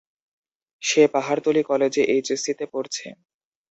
সে পাহাড়তলি কলেজে এইচএসসিতে পড়ছে।